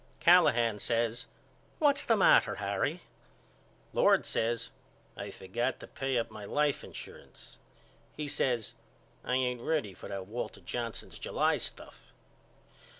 Callahan says What's the matter Harry? Lord says I forgot to pay up my life insurance. He says I ain't ready for Walter Johnson's July stuff.